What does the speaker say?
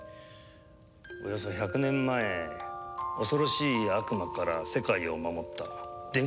およそ１００年前恐ろしい悪魔から世界を守った伝説の英雄だ。